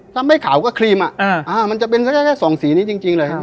ทำให้ขาวก็ครีมอะมันจะเป็นแค่๒สีนี้จริงเลย